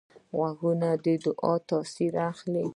غوږونه د دعا تاثیر اخلي